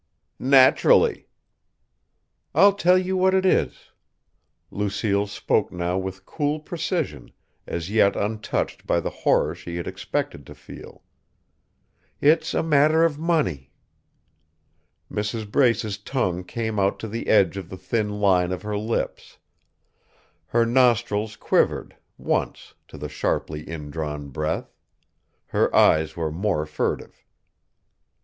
"Naturally." "I'll tell you what it is." Lucille spoke now with cool precision, as yet untouched by the horror she had expected to feel. "It's a matter of money." Mrs. Brace's tongue came out to the edge of the thin line of her lips. Her nostrils quivered, once, to the sharply indrawn breath. Her eyes were more furtive.